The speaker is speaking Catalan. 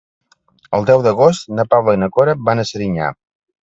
El deu d'agost na Paula i na Cora van a Serinyà.